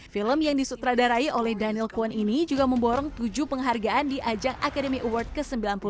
film yang disutradarai oleh daniel kwan ini juga memborong tujuh penghargaan di ajang academy award ke sembilan puluh dua